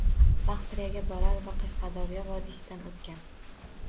Baqtriyaga borar va Qashqadaryo vodiysidan oʻtgan.